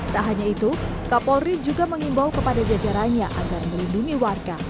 tak hanya itu kapolri juga mengimbau kepada jajarannya agar melindungi warga